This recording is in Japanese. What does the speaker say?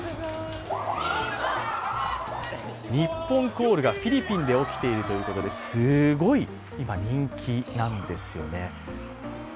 ニッポンコールがフィリピンで起きているということで、すごい今、人気なんですね。